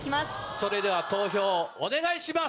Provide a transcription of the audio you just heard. それでは投票お願いします！